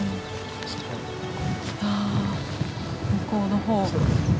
向こうの方。